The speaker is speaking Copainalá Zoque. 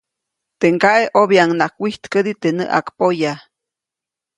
Teʼ ŋgaʼe ʼobyaʼuŋnaʼajk wijtkädi teʼ näʼakpoya.